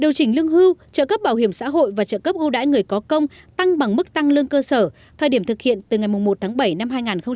điều chỉnh lương hưu trợ cấp bảo hiểm xã hội và trợ cấp bảo hiểm xã hội đãi người có công tăng bằng mức tăng lương cơ sở thời điểm thực hiện từ ngày một tháng bảy năm hai nghìn một mươi bảy